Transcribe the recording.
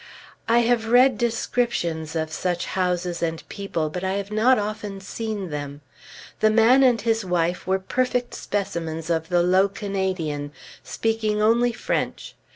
I have read descriptions of such houses and people, but I have not often seen them. The man and his wife were perfect specimens of the low Canadian, speaking only French.